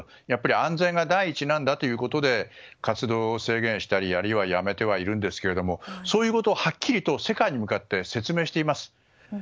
やっぱり安全が第一なんだということで活動を制限したりあるいはやめてはいるんですけれどもそういうことを、はっきりと世界に向かって説明しています。